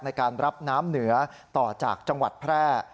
ในการรับน้ำเหนือต่อจากจังหวัดแพร่